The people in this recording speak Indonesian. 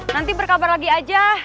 nanti berkabar lagi aja